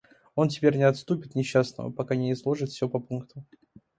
Он теперь не отпустит несчастного, пока не изложит всё по пунктам.